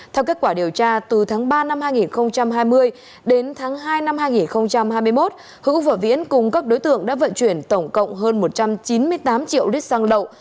theo kết quả điều tra từ tháng ba năm hai nghìn hai mươi đến tháng hai năm hai nghìn hai mươi một hữu và viễn cùng các đối tượng đã vận chuyển tổng cộng hơn một trăm chín mươi tám triệu lít xăng lậu